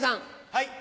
はい。